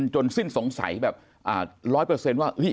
จนสิ้นสงสัยแบบ๑๐๐ว่า